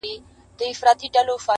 • ماته خوښي راكوي.